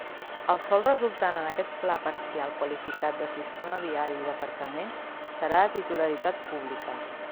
El sòl resultant en aquest Pla parcial qualificat de sistema viari i d'aparcaments, serà de titularitat pública.